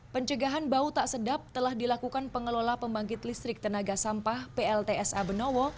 pencegahan bau tak sedap telah dilakukan pengelola pembangkit listrik tenaga sampah pltsa benowo